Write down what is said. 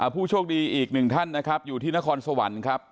ผู้โชคดีอีกหนึ่งท่านนะครับอยู่ที่นครสวรรค์ครับ